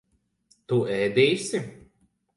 Tu ēdīsi?